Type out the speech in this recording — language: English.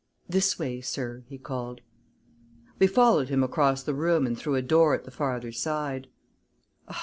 "This way, sir," he called. We followed him across the room and through a door at the farther side.